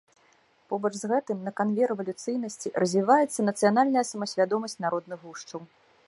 Побач з гэтым, на канве рэвалюцыйнасці, развіваецца нацыянальная самасвядомасць народных гушчаў.